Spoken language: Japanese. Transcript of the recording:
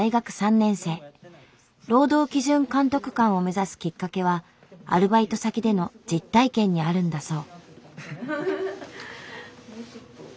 労働基準監督官を目指すきっかけはアルバイト先での実体験にあるんだそう。